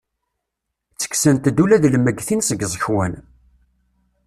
Ttekksent-d ula d lmeyytin seg iẓekwan.